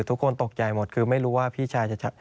ทุกคนตกใจหมดคือไม่รู้ว่าพี่ชายจะ